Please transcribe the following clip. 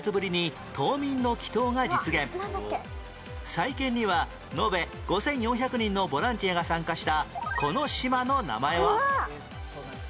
再建には延べ５４００人のボランティアが参加したこの島の名前は？